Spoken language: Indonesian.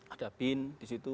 ada bin di situ